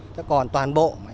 chứ còn toàn bộ